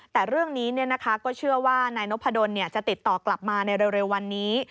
แต่เรื่องนี้ก็เชื่อว่านายนพดลจะติดต่อกลับมาในเร็ววันนี้